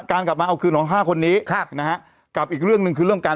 กลับมาเอาคืนของห้าคนนี้ครับนะฮะกับอีกเรื่องหนึ่งคือเรื่องการ